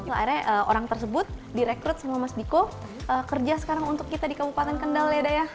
akhirnya orang tersebut direkrut sama mas diko kerja sekarang untuk kita di kabupaten kendal ya da ya